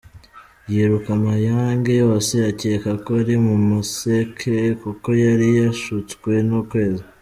Yiruka Mayange yose akeka ko ari mu museke; kuko yari yashutswe n’ukwezi.